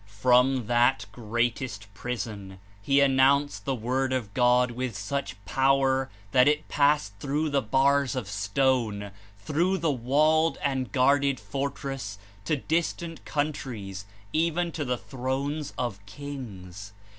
PVom that "Greatest Prison" He announced the Wort! of God with such power that it passed through 176 the bars of stone, through the walled and guarded fortress to distant countries, even to the thrones of kings.